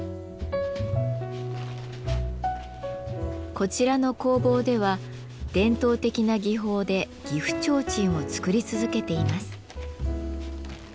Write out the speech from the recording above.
こちらの工房では伝統的な技法で岐阜提灯を作り続けています。